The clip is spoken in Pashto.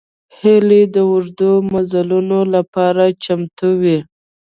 هیلۍ د اوږدو مزلونو لپاره چمتو وي